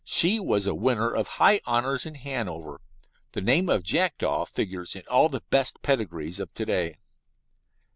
She was a winner of high honours in Hanover. The name of Jackdaw figures in all the best pedigrees of to day.